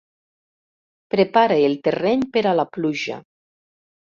Prepara el terreny per a la pluja.